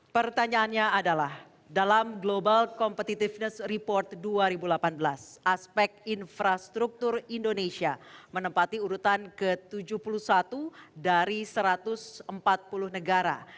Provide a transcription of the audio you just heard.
pertanyaannya adalah dalam global competitiveness report dua ribu delapan belas aspek infrastruktur indonesia menempati urutan ke tujuh puluh satu dari satu ratus empat puluh negara